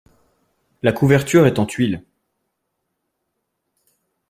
La couverture est en tuile.